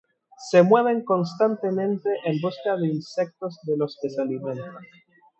Se mueven constantemente en busca de insectos de los que se alimentan.